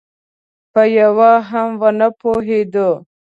په یوه هم ونه پوهېدو.